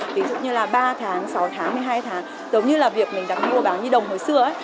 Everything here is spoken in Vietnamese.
tí dụ như là ba tháng sáu tháng một mươi hai tháng giống như là việc mình đặt mua bán nhi đồng hồi sớm